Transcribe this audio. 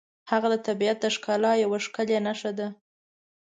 هغه د طبیعت د ښکلا یوه ښکلې نښه ده.